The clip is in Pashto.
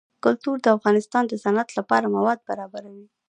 کلتور د افغانستان د صنعت لپاره مواد برابروي.